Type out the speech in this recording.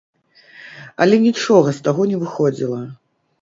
Але нічога з таго не выходзіла.